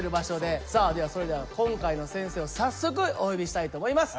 さあそれでは今回の先生を早速お呼びしたいと思います。